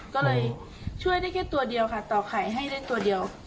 ก็เลยช่วยได้แค่ตัวเดียวค่ะต่อไข่ให้ได้ตัวเดียว